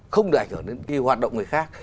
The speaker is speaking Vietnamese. không để ảnh hưởng đến cái hoạt động người khác